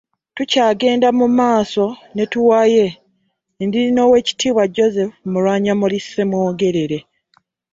Tukyagenda mu maaso ne Tuwaye, ndi n’Oweekitiibwa Joseph Milwanyammuli Ssemwogerere.